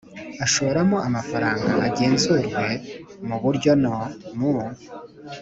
ashoramo amafaranga agenzurwe mu buryo no mu